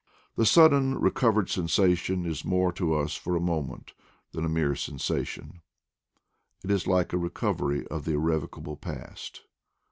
The suddenly recovered sensation is more to us for a moment than a mere sensation; it is like a recovery of the irrecoverable past.